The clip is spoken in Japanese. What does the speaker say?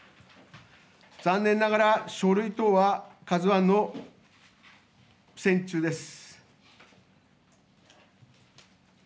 残念ながら書類等はＫＡＺＵＩの船中です。